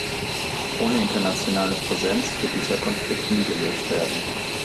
Ohne internationale Präsenz wird dieser Konflikt nie gelöst werden.